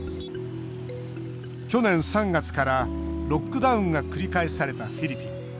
去年３月からロックダウンが繰り返されたフィリピン。